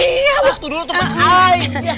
iya waktunya dulu temen temen